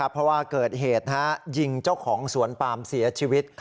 เพราะว่าเกิดเหตุยิงเจ้าของสวนปามเสียชีวิต